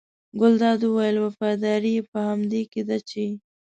ګلداد وویل وفاداري یې په همدې کې ده چې.